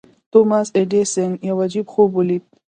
توماس ايډېسن يو عجيب خوب وليد.